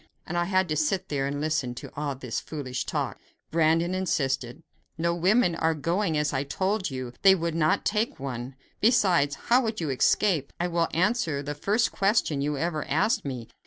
And I had to sit there and listen to all this foolish talk! Brandon insisted: "But no women are going; as I told you, they would not take one; besides, how could you escape? I will answer the first question you ever asked me.